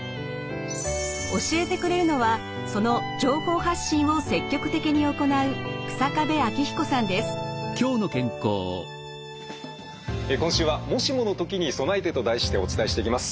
教えてくれるのはその情報発信を積極的に行う今週は「もしもの時に備えて」と題してお伝えしていきます。